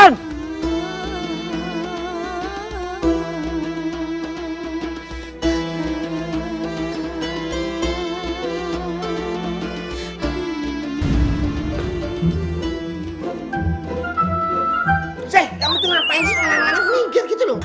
nangannya peninggir gitu dong